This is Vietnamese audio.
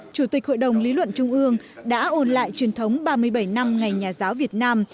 chủ tịch hội đồng lý luận trung ương đã ôn lại truyền thống ba mươi bảy năm ngày nhà giáo việt nam